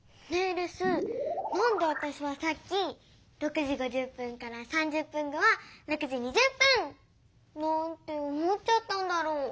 レスなんでわたしはさっき６時５０分から３０分後は６時２０分！なんて思っちゃったんだろう？